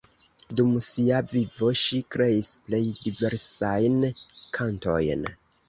Dum sia vivo ŝi kreis plej diversajn kantojn.